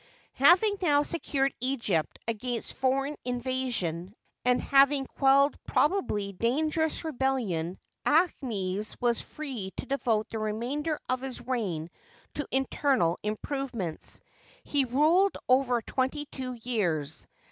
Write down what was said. Having now secured Egypt against foreign invasion, and having quelled a probably dangerous rebellion, Aahmes was free to devote the remainder of his reign to internal improvements. He ruled over twenty two years.